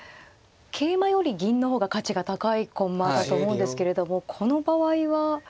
桂馬より銀の方が価値が高い駒だと思うんですけれどもこの場合は。